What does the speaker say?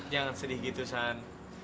jangan sedih gitu san